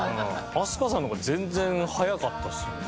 飛鳥さんの方が全然早かったですもんね。